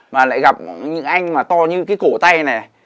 mà lại gặp những anh mà to như cái cổ tay này